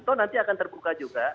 atau nanti akan terbuka juga